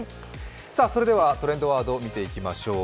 それではトレンドワード見ていきましょう。